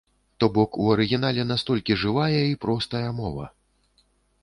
То бок, у арыгінале настолькі жывая і простая мова!